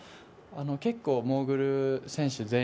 結構モーグル選手